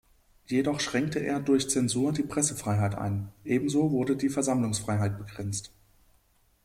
Jedoch schränkte er durch Zensur die Pressefreiheit ein; ebenso wurde die Versammlungsfreiheit begrenzt.